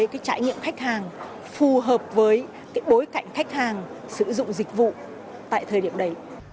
cái trải nghiệm khách hàng phù hợp với cái bối cảnh khách hàng sử dụng dịch vụ tại thời điểm đấy